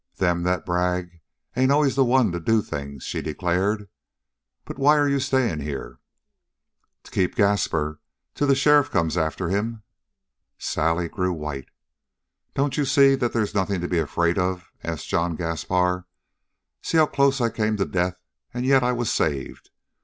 "Them that brag ain't always the ones that do things," she declared. "But why are you staying here?" "To keep Gaspar till the sheriff comes for him." Sally grew white. "Don't you see that there's nothing to be afraid of?" asked John Gaspar. "See how close I came to death, and yet I was saved.